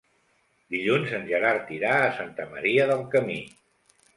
Dilluns en Gerard irà a Santa Maria del Camí.